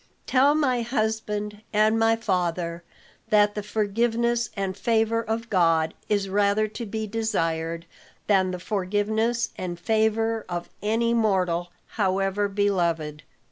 "Tell my husband and my father, that the forgiveness and favor of God is rather to be desired than the forgiveness and favor of any mortal, however beloved.